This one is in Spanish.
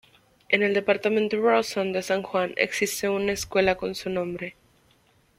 En el Departamento Rawson de San Juan existe una escuela con su nombre.